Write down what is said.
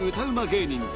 うま芸人